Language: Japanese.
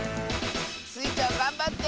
スイちゃんがんばって！